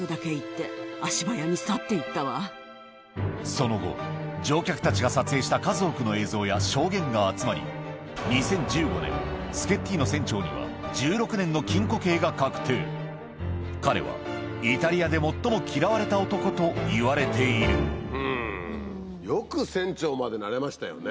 その後乗客たちが撮影した数多くの映像や証言が集まり２０１５年彼はイタリアで最も嫌われた男といわれているよく船長までなれましたよね。